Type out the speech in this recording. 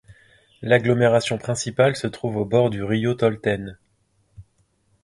L'agglomération principale se trouve au bord du río Toltén.